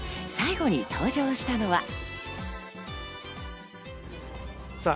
最後に登場したのは。